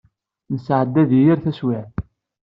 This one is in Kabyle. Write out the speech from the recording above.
Nesɛedda din yir taswiɛt.